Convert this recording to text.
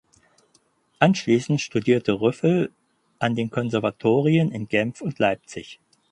Anschliessend studierte Ryffel an den Konservatorien in Genf und Leipzig.